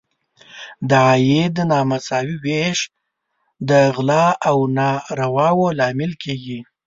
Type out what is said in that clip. د عاید نامساوي ویش د غلا او نارواوو لامل کیږي.